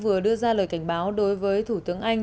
vừa đưa ra lời cảnh báo đối với thủ tướng anh